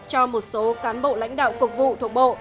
cho một số cán bộ lãnh đạo cục vụ thuộc bộ